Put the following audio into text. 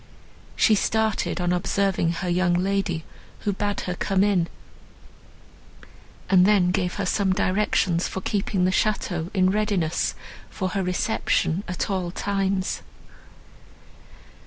She started, on observing her young lady, who bade her come in, and then gave her some directions for keeping the château in readiness for her reception at all times.